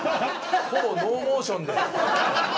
ほぼノーモーションで。